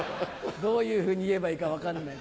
どういうふうに言えばいいか分かんない。